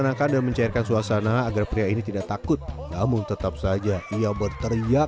segera pun berjendak aldi ya play ini juga sudah natomiast ngajaknya